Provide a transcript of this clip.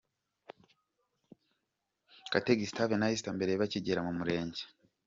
Kate Gustave na Esther mbere bakigera mu Murenge.